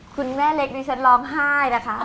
คุณแม่เล็กดิฉันร้องไห้นะคะ